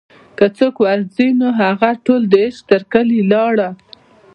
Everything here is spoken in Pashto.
که څوک ور ځي نوهغه ټول دعشق تر کلي ولاړه